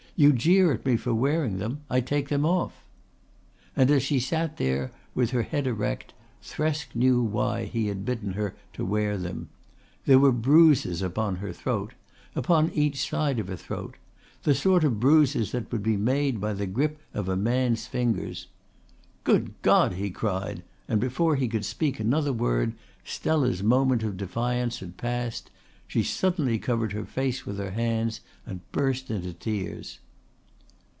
You jeer at me for wearing them. I take them off." And as she sat there with her head erect Thresk knew why he had bidden her to wear them. There were bruises upon her throat upon each side of her throat the sort of bruises which would be made by the grip of a man's fingers. "Good God!" he cried, and before he could speak another word Stella's moment of defiance passed. She suddenly covered her face with her hands and burst into tears.